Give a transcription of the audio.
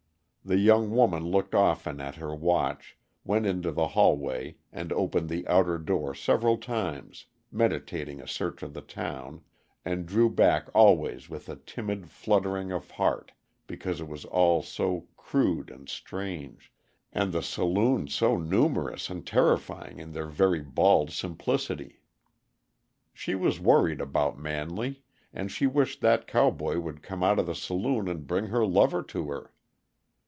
The young woman looked often at her watch, went into the hallway, and opened the outer door several times, meditating a search of the town, and drew back always with a timid fluttering of heart because it was all so crude and strange, and the saloons so numerous and terrifying in their very bald simplicity. She was worried about Manley, and she wished that cowboy would come out of the saloon and bring her lover to her.